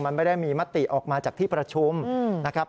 มันไม่ได้มีมติออกมาจากที่ประชุมนะครับ